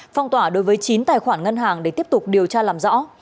phong tỏa đối với chín tài khoản ngân hàng để tiếp tục điều tra làm rõ